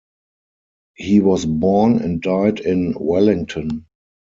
He was born and died in Wellington.